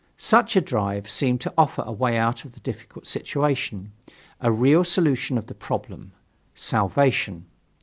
Such a drive seemed to offer a way out of the difficult situation, a real solution of the problem salvation.